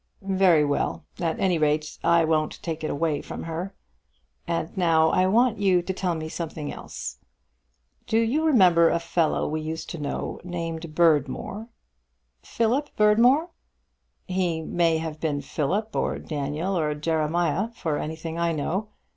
"Very well. At any rate I won't take it away from her. And now I want you to tell me something else. Do you remember a fellow we used to know named Berdmore?" "Philip Berdmore?" "He may have been Philip, or Daniel, or Jeremiah, for anything I know.